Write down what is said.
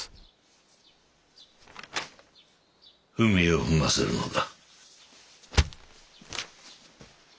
踏み絵を踏ませるのだ。